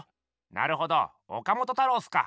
なるほど岡本太郎っすか！